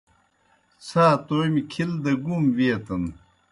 څھا تومیْ کِھل دہ گُوم ویتَن۔